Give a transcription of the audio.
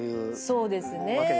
そうですね。